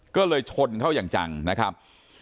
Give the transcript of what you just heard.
ก็เลยชนเขาอย่างจังนะครับ